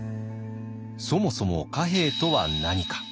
そもそも貨幣とは何か。